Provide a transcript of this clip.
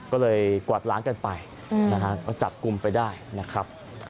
ก็เลยกวาดล้างกันไปนะฮะก็จับกลุ่มไปได้นะครับ